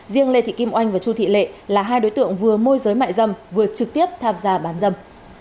riêng lê thị kim oanh và chu thị lệ là hai đối tượng vừa môi giới mại dâm vừa trực tiếp tham gia bán dâm